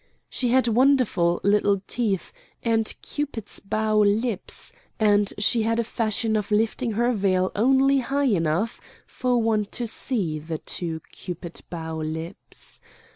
She had wonderful little teeth and Cupid's bow lips, and she had a fashion of lifting her veil only high enough for one to see the two Cupid bow lips.